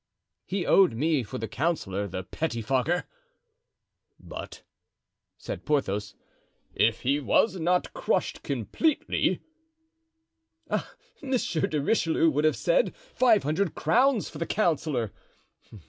"He owed me for the councillor, the pettifogger!" "But," said Porthos, "if he was not crushed completely——" "Ah! Monsieur de Richelieu would have said, 'Five hundred crowns for the councillor.